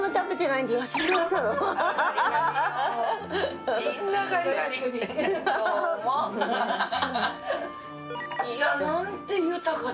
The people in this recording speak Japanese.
いやなんて豊かな。